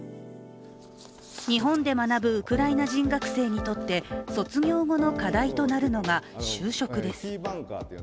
日本で学ぶウクライナ人学生にとって卒業後の課題となるのが就職です。